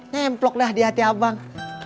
nyemplok deh di hati abang